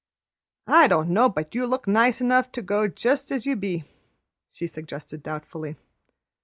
"I don't know but you look nice enough to go just as you be," she suggested doubtfully.